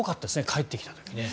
帰ってきた時ね。